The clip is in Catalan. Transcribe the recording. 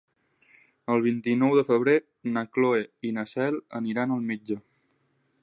El vint-i-nou de febrer na Cloè i na Cel aniran al metge.